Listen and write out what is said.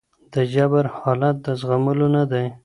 د جبر حالت د زغملو نه دی.